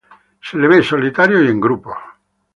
Se le ve solitario y en grupos.